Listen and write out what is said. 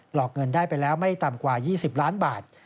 อกเงินได้ไปแล้วไม่ต่ำกว่า๒๐ล้านบาท